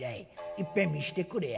いっぺん見してくれや。